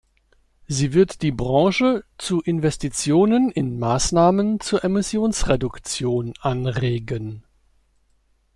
Sie wird die Branche zu Investitionen in Maßnahmen zur Emissionsreduktion anregen.